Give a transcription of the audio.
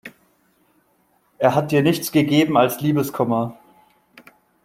Er hat dir nichts gegeben als Liebeskummer.